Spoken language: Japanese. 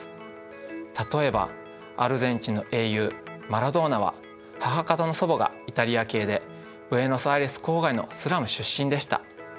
例えばアルゼンチンの英雄マラドーナは母方の祖母がイタリア系でブエノスアイレス郊外のスラム出身でした。